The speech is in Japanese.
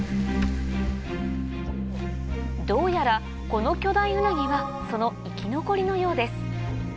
どうやらこの巨大ウナギはその生き残りのようです